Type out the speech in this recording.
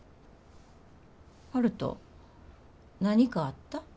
悠人何かあった？